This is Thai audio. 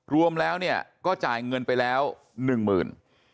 รวมแล้วเนี่ยก็จ่ายเงินไปแล้วหนึ่งหมื่น